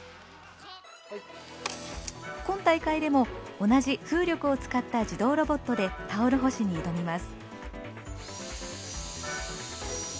今大会でも同じ風力を使った自動ロボットでタオル干しに挑みます。